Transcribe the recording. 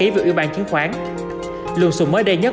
với hàng chục nghìn tỷ đồng mỗi tháng